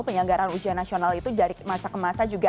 penyelenggaraan ujian nasional itu dari masa ke masa juga